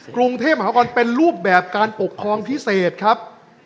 กรุงเทพมหานครเป็นรูปแบบการปกครองพิเศษครับ